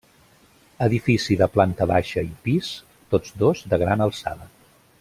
Edifici de planta baixa i pis, tots dos de gran alçada.